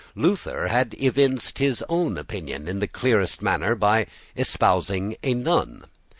Luther had evinced his own opinion in the clearest manner, by espousing a nun.